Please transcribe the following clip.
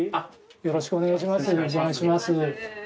よろしくお願いします。